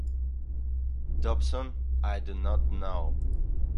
Dobson I do not know.